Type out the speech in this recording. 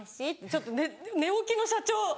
ちょっと寝起きの社長。